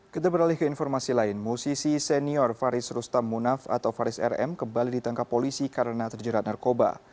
kita beralih ke informasi lain musisi senior faris rustam munaf atau faris rm kembali ditangkap polisi karena terjerat narkoba